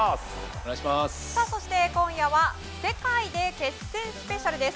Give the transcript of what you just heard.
そして、今夜は世界で決戦スペシャルです。